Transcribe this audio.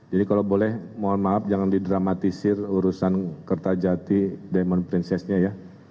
jadi kalau boleh mohon maaf jangan didramatisir urusan kerta jati diamond princess nya ya